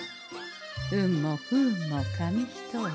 運も不運も紙一重。